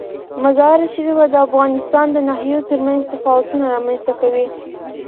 مزارشریف د افغانستان د ناحیو ترمنځ تفاوتونه رامنځ ته کوي.